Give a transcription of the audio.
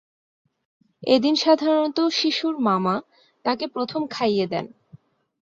এদিন সাধারণত শিশুর মামা তাকে প্রথম খাইয়ে দেন।